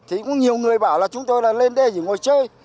thì cũng nhiều người bảo là chúng tôi là lên đê chỉ ngồi chơi